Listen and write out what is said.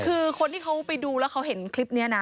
คือคนที่เขาไปดูแล้วเขาเห็นคลิปนี้นะ